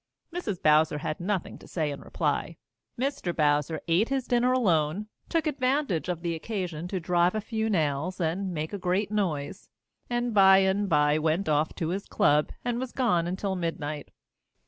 Mrs. Bowser had nothing to say in reply. Mr. Bowser ate his dinner alone, took advantage of the occasion to drive a few nails and make a great noise, and by and by went off to his club and was gone until midnight.